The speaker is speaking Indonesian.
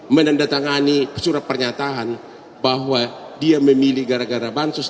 menandatangani surat pernyataan bahwa dia memilih gara gara bansus